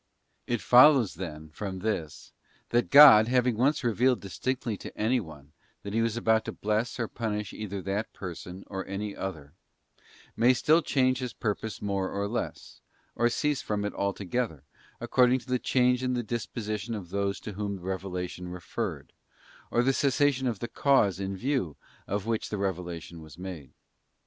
It follows, then, from this that God, having once revealed distinctly to anyone, that he was about to bless or punish either that person or any other, may still change his pur pose more or less, or cease from it altogether, according to the change in the disposition of those to whom the revelation referred, or the cessation of the cause in view of which the revelation was made.